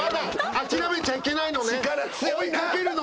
諦めちゃいけない。